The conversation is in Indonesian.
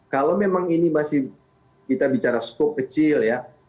kalau memang ini masih kita bicara skop kecil ya